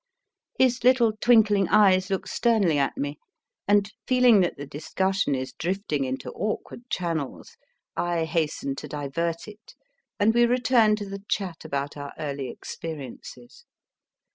His little twinkling eyes look sternly at me, and, feeling that the discussion is drifting into awkward channels, I hasten to divert it, and we return to the chat about our early experiences.